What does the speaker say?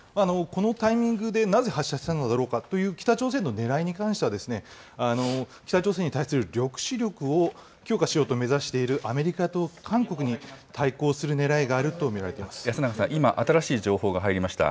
このタイミングでなぜ発射するのだろうかという北朝鮮のねらいに関しては、北朝鮮に対する抑止力を強化しようと目指しているアメリカと韓国に対抗するねらいがあ安永さん、今、新しい情報が入りました。